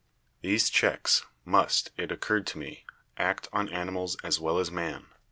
These checks ... must, it occurred to me, act on animals as well as man .